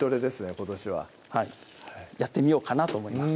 今年ははいやってみようかなと思います